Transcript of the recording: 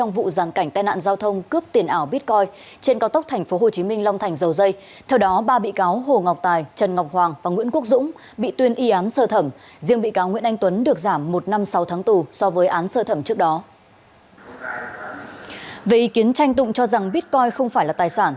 về ý kiến tranh tụng cho rằng bitcoin không phải là tài sản